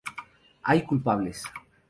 Hay culpables.